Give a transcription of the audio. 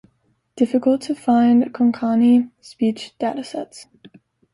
Difficult to find Konkani speech datasets.